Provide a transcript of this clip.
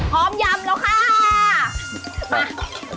พร้อมยำแล้วค่ะ